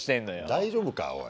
大丈夫かおい。